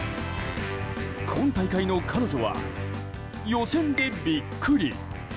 今大会の彼女は予選でビックリ。